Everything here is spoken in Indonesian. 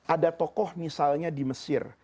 ada tokoh misalnya di mesir